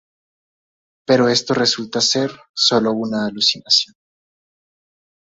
Pero esto resulta ser solo una alucinación.